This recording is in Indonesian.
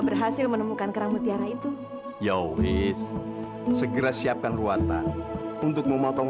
berhasil menemukan kerang mutiara itu ya wis segera siapkan ruatan untuk memotong